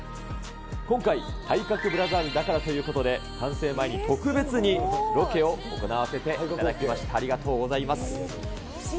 今回、体格ブラザーズだからということで、完成前に特別にロケを行わせていただきました、ありがとうございます。